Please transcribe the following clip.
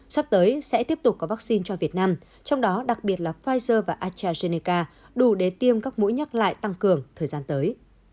sắp tới sẽ tiếp tục có vaccine cho việt nam trong đó đặc biệt là pfizer và astrazeneca đủ để tiêm các mũi nhắc lại tăng cường thời gian tới